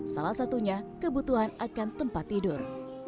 salah satunya kebutuhan akan tempat tidur